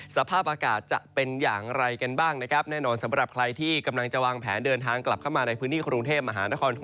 สภาพอากาศจะเป็นอย่างไรกันบ้างนะครับแน่นอนสำหรับใครที่กำลังจะวางแผนเดินทางกลับเข้ามาในพื้นที่กรุงเทพมหานคร